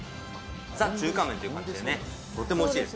ザ・中華麺っていう感じでね、とってもおいしいです。